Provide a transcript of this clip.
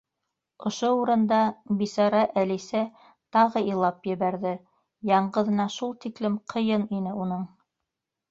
Ошо урында бисара Әлисә тағы илап ебәрҙе —яңғыҙына шул тиклем ҡыйын ине уның.